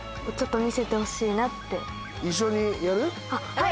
はい！